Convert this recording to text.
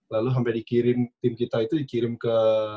lalu sampai dikirim tim kita itu dikirim ke